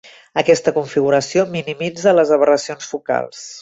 Aquesta configuració minimitza les aberracions focals.